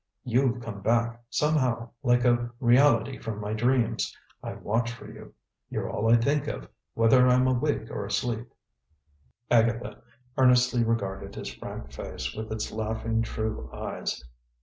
You've come back, somehow, like a reality from my dreams. I watch for you. You're all I think of, whether I'm awake or asleep." Agatha earnestly regarded his frank face, with its laughing, true eyes.